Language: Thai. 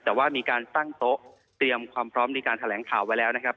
แต่ว่ามีการตั้งโต๊ะเตรียมความพร้อมในการแถลงข่าวไว้แล้วนะครับ